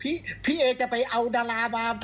พี่เอสู้ลุงจะไปเอานรามาเป็นแดตเซอร์